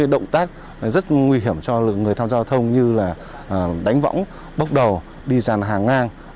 đánh võng bốc đầu đi dàn hàng ngang